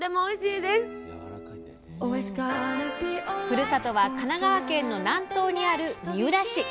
ふるさとは神奈川県の南東にある三浦市。